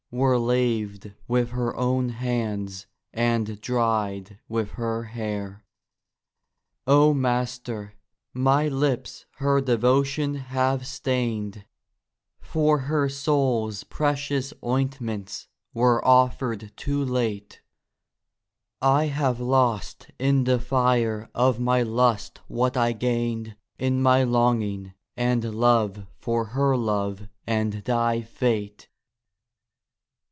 Were laved with her own hands and dried with her hair. 50 O Master, my lips her devotion have stained, For her soul's precious ointments were offered too late; I have lost in the fire of my lust what I gained In my longing and love for her love and thy fate.